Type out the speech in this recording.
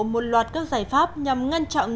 một loạt các giải pháp nhằm ngăn chặn